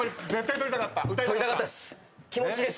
取りたかったです。